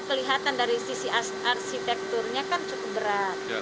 kelihatan dari sisi arsitekturnya kan cukup berat